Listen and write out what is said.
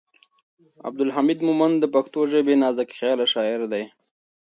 عبدالحمید مومند د پښتو ژبې نازکخیاله شاعر دی.